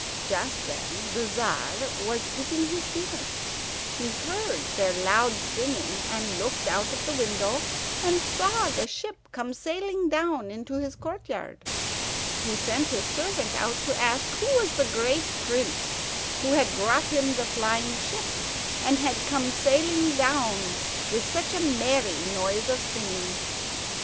Just then the Tzar was eating his dinner. He heard their loud singing, and looked out of the window and saw the ship come sailing down into his courtyard. He sent his servant out to ask who was the great prince who had brought him the flying ship, and had come sailing down with such a merry noise of singing.